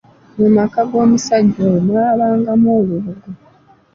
Mu maka g’omusajja oyo mwabangamu olubugo.